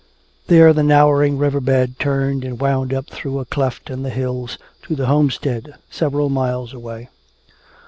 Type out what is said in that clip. There the narrowing river bed turned and wound up through a cleft in the hills to the homestead several miles away.